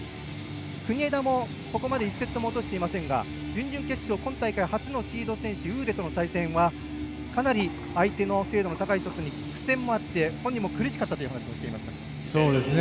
国枝もここまで１セット落としてませんが、準々決勝今大会初のシード選手との対戦はかなり相手のショットの精度高く苦戦も合って本人も苦しかったという話をしていました。